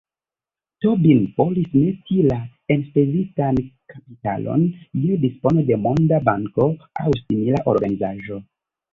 Tobin volis meti la enspezitan kapitalon je dispono de Monda Banko aŭ simila organizaĵo.